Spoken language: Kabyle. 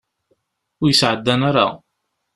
Ur yi-sεeddan ara.